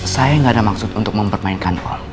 saya gak ada maksud untuk mempermainkan om